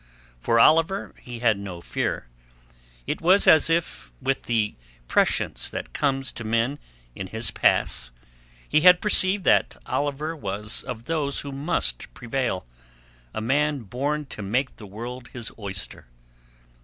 For Oliver he had no fear. It was as if with the prescience that comes to men in his pass he had perceived that Oliver was of those who must prevail, a man born to make the world his oyster.